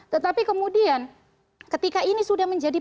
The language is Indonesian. tetapi kemudian ketika ini sudah menjadi